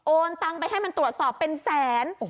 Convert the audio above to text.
ตังไปให้มันตรวจสอบเป็นแสน